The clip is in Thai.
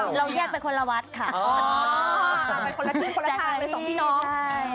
อ๋อเป็นคนละทิ้งคนละทางเลยสองพี่น้อง